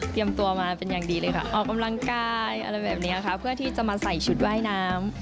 ตัวมาเป็นอย่างดีเลยค่ะออกกำลังกายอะไรแบบนี้ค่ะเพื่อที่จะมาใส่ชุดว่ายน้ำ